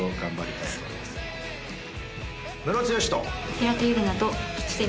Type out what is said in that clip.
平手友梨奈と。